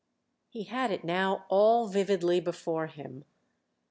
He had it now all vividly before him.